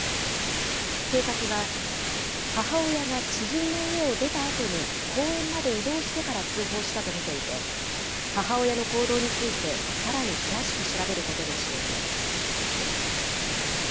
警察は、母親が知人の家を出たあとに、公園まで移動してから通報したと見ていて、母親の行動について、さらに詳しく調べることにしています。